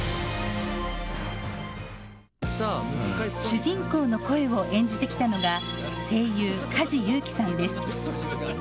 主人公の声を演じてきたのが声優、梶裕貴さんです。